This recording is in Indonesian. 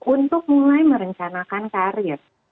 untuk mulai merencanakan karir